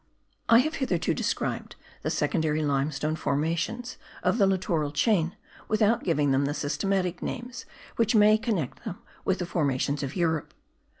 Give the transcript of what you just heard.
I have hitherto described the secondary limestone formations of the littoral chain without giving them the systematic names which may connect them with the formations of Europe.